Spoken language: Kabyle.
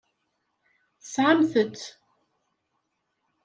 Tesɛamt-t.